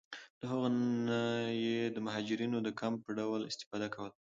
له هغو نه یې د مهاجرینو د کمپ په ډول استفاده کوله.